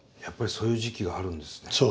やっぱりそういう時期があるんですね。